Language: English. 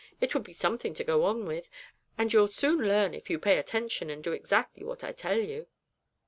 It would be something to go on with, and you'll soon learn if you pay attention and do exactly what I tell you.'